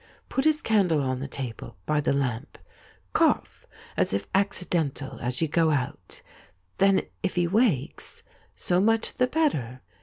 Put his candle on the table, by the lamp ; cough, as if accidental, as you go out. Then if he wakes, so much the better.